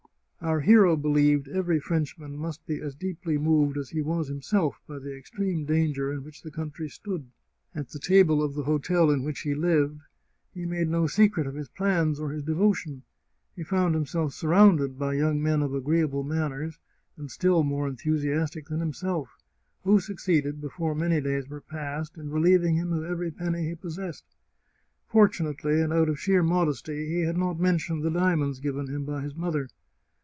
Our hero be lieved every Frenchman must be as deeply moved as he was himself by the extreme danger in which the country stood. At the table of the hotel in which he lived, he made no secret of his plans or his devotion. He found himself surrounded by young men of agfreeable manners, and still more enthusiastic than himself, who succeeded, before many 30 The Chartreuse of Parma days were passed, in relieving him of every penny he pos sessed. Fortunately, and out of sheer modesty, he had not mentioned the diamonds given him by his mother.